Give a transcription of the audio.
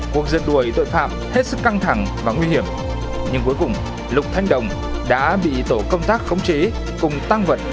cuộc giật đuổi tội phạm hết sức căng thẳng và nguy hiểm nhưng cuối cùng lục thanh đồng đã bị tổ công tác khống chế cùng tăng vật